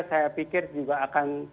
saya pikir juga akan